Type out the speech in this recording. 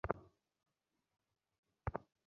Picnic enjoy করো, বাড়ি যাও।